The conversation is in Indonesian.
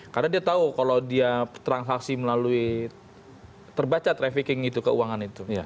karena dia tahu kalau dia transaksi melalui terbaca trafficking itu keuangan itu